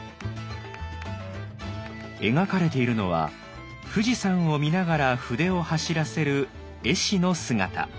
描かれているのは富士山を見ながら筆を走らせる絵師の姿。